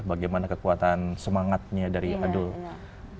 bagaimana kekuatan semangatnya dari adul